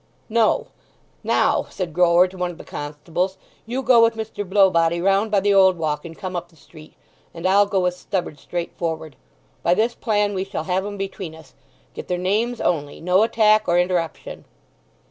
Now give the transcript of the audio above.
"No. Now," said Grower to one of the constables, "you go with Mr. Blowbody round by the Old Walk and come up the street; and I'll go with Stubberd straight forward. By this plan we shall have 'em between us. Get their names only: no attack or interruption."